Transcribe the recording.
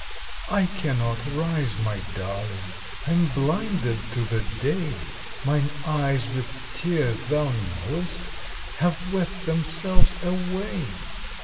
"I cannot rise, my darling, I am blinded to the day. Mine eyes with tears, thou knowest, Have wept themselves away."